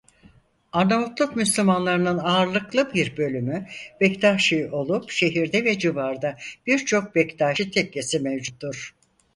Arnavutluk müslümanlarının ağırlıklı bir bölümü Bektaşi olup şehirde ve civarda birçok Bektaşi tekkesi mevcuttur.